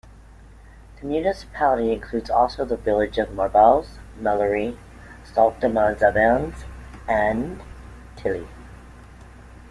The municipality includes also the villages of Marbais, Mellery, Sart-Dames-Avelines and Tilly.